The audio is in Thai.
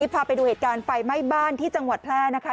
พาไปดูเหตุการณ์ไฟไหม้บ้านที่จังหวัดแพร่นะคะ